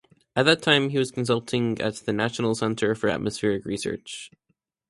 At that time he was consulting at the National Center for Atmospheric Research.